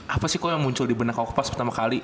apa sih kok yang muncul di benak aku pas pertama kali